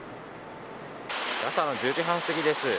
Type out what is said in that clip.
朝の１０時半すぎです。